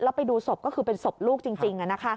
แล้วไปดูศพก็คือเป็นศพลูกจริง